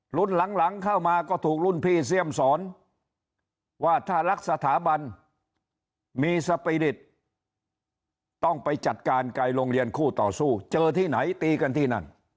หลังเข้ามาก็ถูกรุ่นพี่เสี่ยมสอนว่าถ้ารักสถาบันมีสปีริตต้องไปจัดการไกลโรงเรียนคู่ต่อสู้เจอที่ไหนตีกันที่นั่น